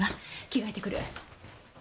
着替えてくる。